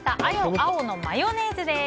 青のマヨネーズです。